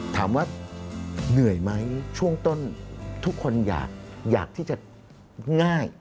ถามว่าเหนื่อยไหมช่วงต้นทุกคนอยากที่จะง่าย